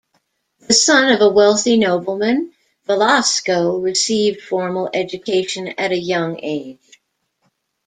The son of a wealthy nobleman, Velasco received formal education at a young age.